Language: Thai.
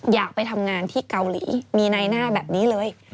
อยากไปทำงานที่เกาหลีมีในหน้าแบบนี้เลย